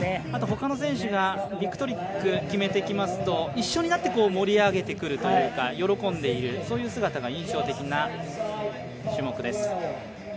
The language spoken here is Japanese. あと、他の選手がビックトリックを決めてきますと一緒になって盛り上げてくるというかそういう姿が印象的な種目です。